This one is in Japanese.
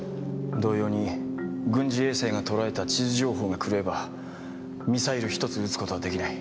同様に軍事衛星がとらえた地図情報が狂えばミサイル１つ撃つ事はできない。